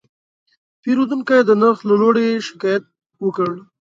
پیرودونکی د نرخ له لوړې شکایت وکړ.